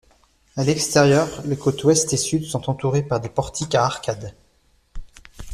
À l'extérieur, les côtés ouest et sud sont entourés par des portiques à arcades.